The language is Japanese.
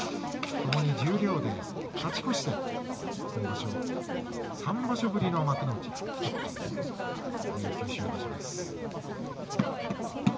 ともに十両で勝ち越して、今場所３場所ぶりの幕内復帰という九州場所です。